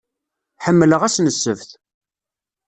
Ḥemmleɣ ass n ssebt.